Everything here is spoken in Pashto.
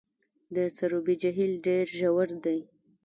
د سروبي جهیل ډیر ژور دی